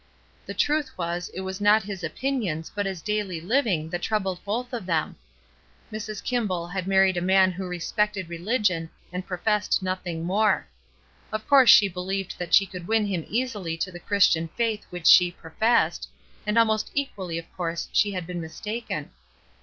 The truth was it was not his opinions but his daily Uving that troubled both of them. Mrs. Kimball had married a man who respected religion and professed nothing more. Of course she believed that she could win him easily to the Christian faith which she professed, and almost equally of course she had been mistaken.